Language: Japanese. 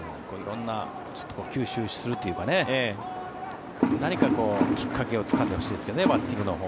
色んな吸収するというか何かきっかけをつかんでほしいですね。